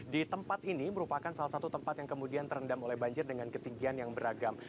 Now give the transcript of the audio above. di tempat ini merupakan salah satu tempat yang kemudian terendam oleh banjir dengan ketinggian yang beragam